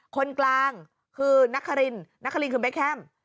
คนกลางคือนักคารินนักคารินคือเบคแคม